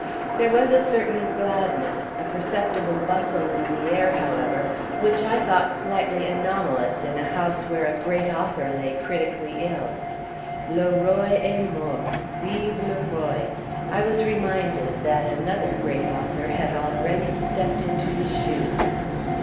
There was a certain gladness, a perceptible bustle in the air, however, which I thought slightly anomalous in a house where a great author lay critically ill. "Le roy est mort—vive le roy": I was reminded that another great author had already stepped into his shoes.